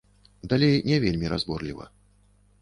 Далей не вельмі разборліва.